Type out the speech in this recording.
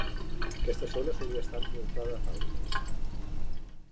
Aquesta zona solia estar envoltada de fàbriques.